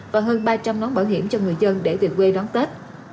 và hơn ba trăm linh nón bảo hiểm cho người dân để về quê đón tết